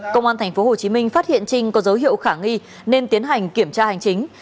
công an tp hcm phát hiện trinh có dấu hiệu khả nghi nên tiến hành kiểm tra hành chính